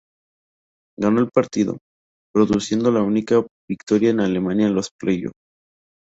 Ganó el partido, produciendo la única victoria de Alemania en los play-off.